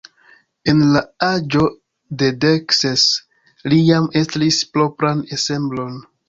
En la aĝo de dek ses li jam estris propran ensemblon.